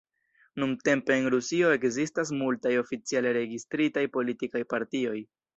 Nuntempe en Rusio ekzistas multaj oficiale registritaj politikaj partioj.